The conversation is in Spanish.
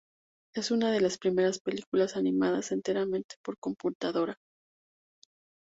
Es una de las primeras películas animadas enteramente por computadora.